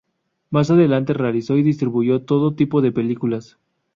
Más adelante realizó y distribuyó todo tipo de películas.